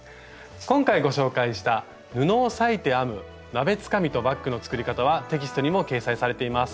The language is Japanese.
今回ご紹介した布を裂いて編む鍋つかみとバッグの作り方はテキストにも掲載されています。